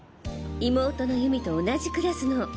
妹の祐美と同じクラスの。